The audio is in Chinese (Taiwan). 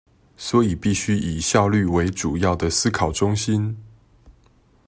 所以必須以效率為主要的思考中心